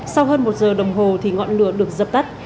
sau hơn một giờ đồng hồ thì ngọn lửa được dập tắt